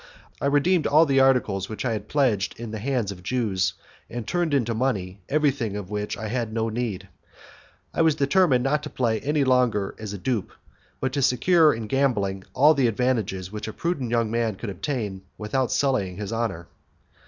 I redeemed all the articles which I had pledged in the hands of Jews, and turned into money everything of which I had no need. I was determined not to play any longer as a dupe, but to secure in gambling all the advantages which a prudent young man could obtain without sullying his honour.